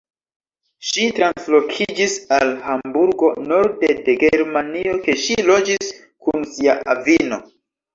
Ŝi translokiĝis al Hamburgo, norde de Germanio, kie ŝi loĝis kun sia avino.